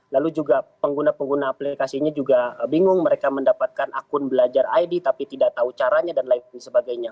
lalu juga pengguna pengguna aplikasinya juga bingung mereka mendapatkan akun belajar id tapi tidak tahu caranya dan lain sebagainya